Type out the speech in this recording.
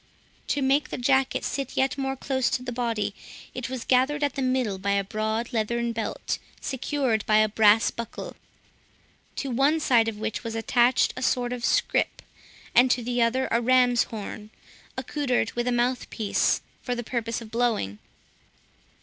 To make the jacket sit yet more close to the body, it was gathered at the middle by a broad leathern belt, secured by a brass buckle; to one side of which was attached a sort of scrip, and to the other a ram's horn, accoutred with a mouthpiece, for the purpose of blowing.